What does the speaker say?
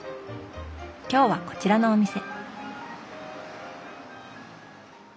今日はこちらのお店。